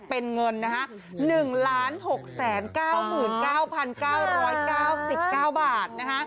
เป็นเงิน๑๖๙๙๙๙๙บาท